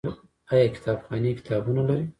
آیا کتابخانې کتابونه لري؟